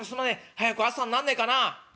早く朝になんねえかな」。